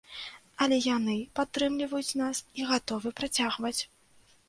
Але яны падтрымліваюць нас і гатовы працягваць.